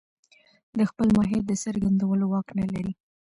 د خپل ماهيت د څرګندولو واک نه لري.